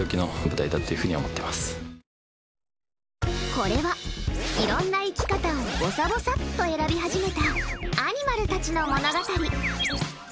これは、いろんな生き方をぼさぼさっと選び始めたアニマルたちの物語。